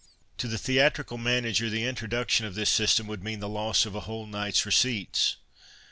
To the theatrical manager the introduction of this system would mean the loss of a whole night's receipts.